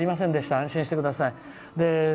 安心してください。